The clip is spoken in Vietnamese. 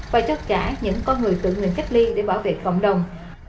và cho cả những con người tự nguyện cách ly để bảo vệ cộng đồng